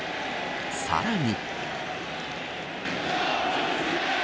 さらに。